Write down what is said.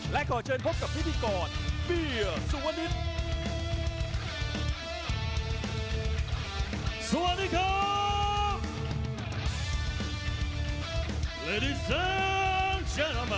และขอเจนพบกับพี่ดีกรฟีร์สวัสดีครับ